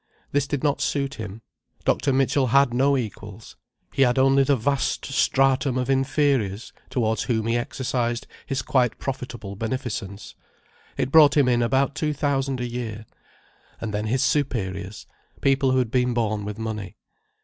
This did not suit him. Dr. Mitchell had no equals: he had only the vast stratum of inferiors, towards whom he exercised his quite profitable beneficence—it brought him in about two thousand a year: and then his superiors, people who had been born with money.